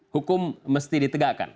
hukum mesti ditegakkan